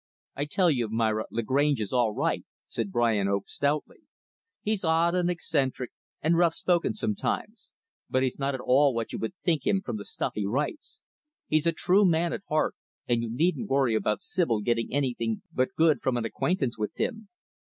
"I tell you, Myra, Lagrange is all right," said Brian Oakley, stoutly. "He's odd and eccentric and rough spoken sometimes; but he's not at all what you would think him from the stuff he writes. He's a true man at heart, and you needn't worry about Sibyl getting anything but good from an acquaintance with him.